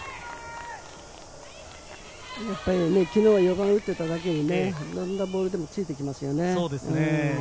昨日、４番を打っていただけに、どんなボールでもついてきますよね。